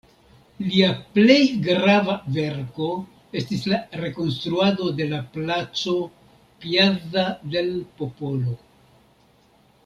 Lia plej grava verko estis la rekonstruado de la placo "Piazza del Popolo".